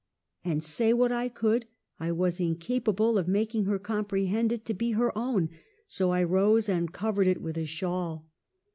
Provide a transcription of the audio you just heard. " And say what I could I was incapable of making her comprehend it to be her own ; so I rose and covered it with a shawl.